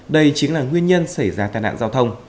đây chính là nguyên nhân xảy ra tai nạn giao thông